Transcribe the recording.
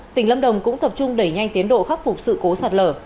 tỉnh lâm đồng cũng tập trung đẩy nhanh tiến độ khắc phục sự cố sạt lở